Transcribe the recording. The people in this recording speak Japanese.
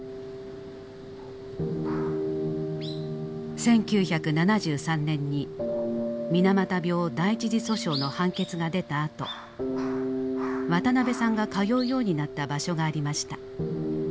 １９７３年に水俣病第一次訴訟の判決が出たあと渡辺さんが通うようになった場所がありました。